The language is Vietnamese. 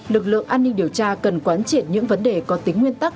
lực lượng an ninh điều tra cần quán triệt những vấn đề có tính nguyên tắc